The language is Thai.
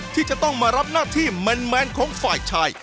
ที่จะต้องมารับหน้าที่แมนของฝ่ายชาย